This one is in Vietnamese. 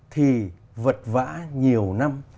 thì vật vã nhiều năm